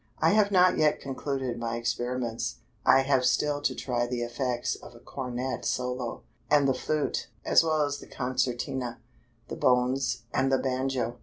I have not yet concluded my experiments. I have still to try the effects of a cornet solo; and the flute, as well as the concertina, the bones, and the banjo.